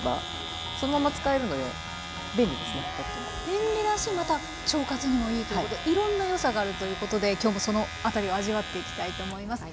便利だしまた腸活にもいいということでいろんな良さがあるということで今日もその辺りを味わっていきたいと思います。